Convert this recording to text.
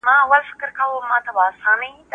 دا د تمرکز ساتلو کې مرسته کوي.